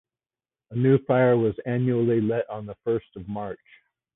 A new fire was annually lit on the first of March.